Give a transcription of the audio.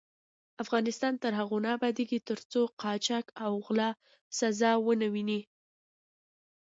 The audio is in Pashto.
افغانستان تر هغو نه ابادیږي، ترڅو قاچاق او غلا سزا ونه ويني.